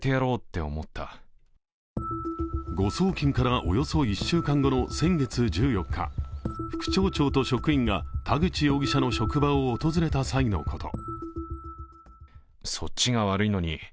誤送金からおよそ１週間後の先月１４日、副町長と職員が田口容疑者の職場を訪れた際のこと。